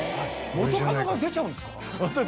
元カノが出ちゃうんですか。